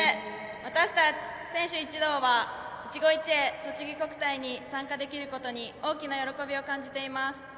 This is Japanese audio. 私たち選手一同はいちご一会とちぎ国体に参加できることに大きな喜びを感じています。